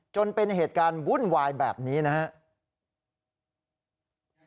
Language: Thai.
จนเป็นเหตุการณ์วุ่นวายแบบนี้นะครับ